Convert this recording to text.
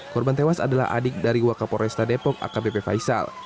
korban tewas adalah adik dari wakapolresta depok akbp faisal